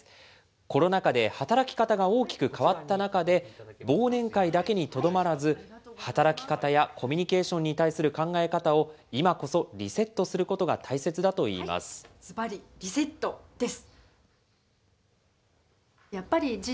コロナ禍で働き方が大きく変わった中で、忘年会だけにとどまらず、働き方やコミュニケーションに対する考え方を、今こそリセットすることが大切だといいます。